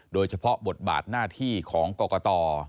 โดยเฉพาะบทบาทหน้าที่ของกรกต